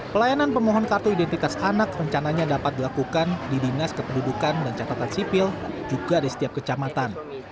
pelayanan pemohon kartu identitas anak rencananya dapat dilakukan di dinas kependudukan dan catatan sipil juga di setiap kecamatan